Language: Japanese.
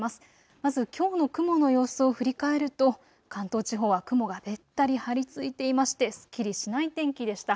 まずきょうの雲の様子を振り返ると、関東地方は雲がべったり張りついていましてすっきりしない天気でした。